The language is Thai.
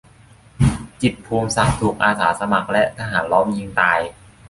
จิตร ภูมิศักดิ์ ถูกอาสาสมัครและทหารล้อมยิงตาย